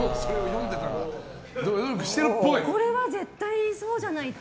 これは絶対そうじゃないと。